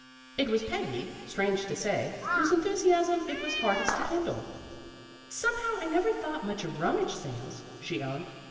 It was Peggy, strange to say, whose enthusiasm it was hardest to kindle. " Some how I never thought much of rummage sales," she owned.